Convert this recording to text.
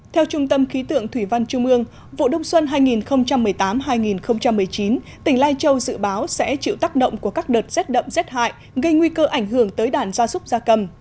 theo trung tâm khí tượng thủy văn trung ương vụ đông xuân hai nghìn một mươi tám hai nghìn một mươi chín tỉnh lai châu dự báo sẽ chịu tác động của các đợt rét đậm rét hại gây nguy cơ ảnh hưởng tới đàn gia súc gia cầm